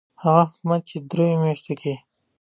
هغه حکومت چې په دریو میاشتو کې.